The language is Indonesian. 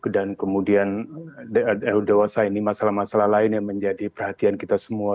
dan kemudian dewasa ini masalah masalah lain yang menjadi perhatian kita semua